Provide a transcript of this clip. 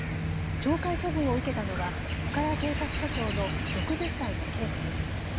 懲戒処分を受けたのは深谷警察署長の６０歳の警視です。